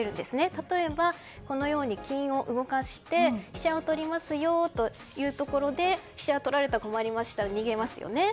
例えば、このように金を動かして飛車を取りますよというところで飛車が取られたら困りますから逃げますよね。